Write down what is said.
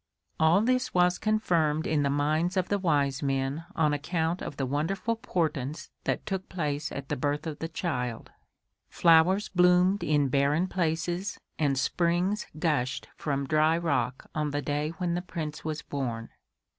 All this was confirmed in the minds of the wise men on account of the wonderful portents that took place at the birth of the child: flowers bloomed in barren places and springs gushed from dry rock on the day when the Prince was born.